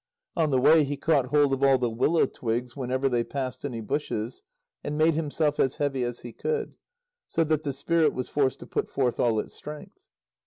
On the way, he caught hold of all the willow twigs whenever they passed any bushes, and made himself as heavy as he could, so that the Spirit was forced to put forth all its strength.